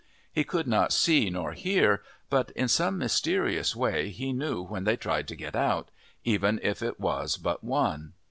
He could not see nor hear, but in some mysterious way he knew when they tried to get out, even if it was but one.